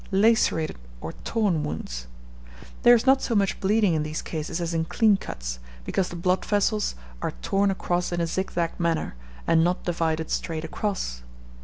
Lacerated or torn wounds. There is not so much bleeding in these cases as in clean cuts, because the blood vessels are torn across in a zigzag manner, and not divided straight across.